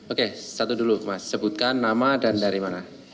oke satu dulu mas sebutkan nama dan dari mana